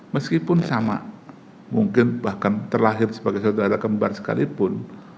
meskipun sama mungkin bahkan terlahir sebagai saudara kembar sekalipun